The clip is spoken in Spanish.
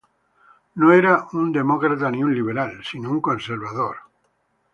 No era un demócrata ni un liberal, sino un conservador.